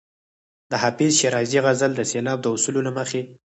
د حافظ شیرازي غزل د سېلاب د اصولو له مخې.